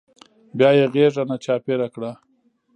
بيا يې غېږ رانه چاپېره کړه.